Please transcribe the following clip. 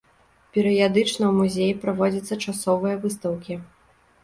Перыядычна ў музеі праводзяцца часовыя выстаўкі.